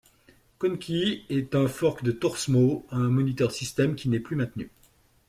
Conky est un fork de torsmo, un moniteur système qui n'est plus maintenu.